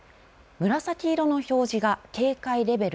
紫色の表示が警戒レベル